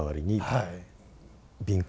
はい。